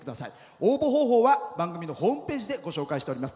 応募方法は番組のホームページでご紹介しております。